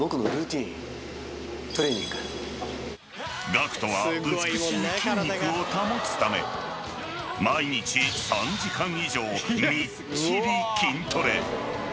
［ＧＡＣＫＴは美しい筋肉を保つため毎日３時間以上みっちり筋トレ］